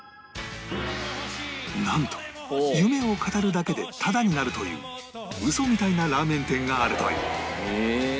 なんと夢を語るだけでタダになるというウソみたいなラーメン店があるという